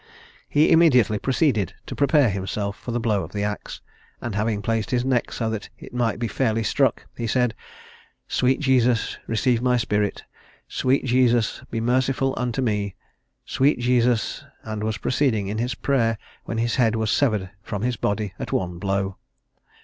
He immediately proceeded to prepare himself for the blow of the axe, and having placed his neck so that it might be fairly struck, he said, "Sweet Jesus, receive my spirit! Sweet Jesus, be merciful unto me! Sweet Jesus " and was proceeding in his prayer, when his head was severed from his body at one blow.